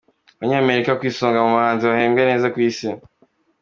Abanyamerika ku isonga mu bahanzi bahembwe neza ku isi